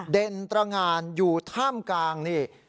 เด่นตรงานอยู่ท่ามกลางนี่